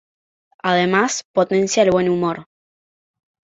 Además potencia el buen humor.